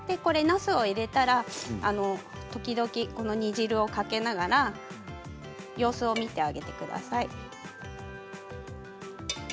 なすを入れたら時々、この煮汁をかけながら様子を見てあげてください。